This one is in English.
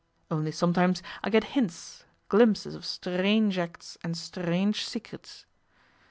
Only sometimes I get hints, glimpses of strange acts and strange secrets.